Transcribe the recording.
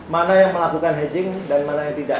mana yang melakukan hedging dan mana yang tidak